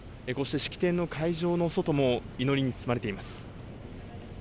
式典の会場の外も祈りに包まれています。